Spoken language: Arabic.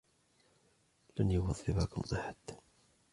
لن يوظفكم أحد.